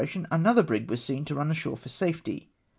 tion, another brig was seen to run ashore for safety.